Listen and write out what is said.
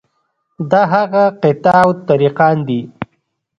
دا هغه قطاع الطریقان دي.